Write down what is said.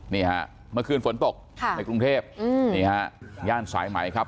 นี่ฮะเมื่อคืนฝนตกในกรุงเทพนี่ฮะย่านสายไหมครับ